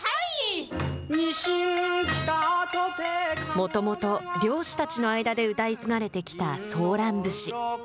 もともと漁師たちの間で歌い継がれてきたソーラン節。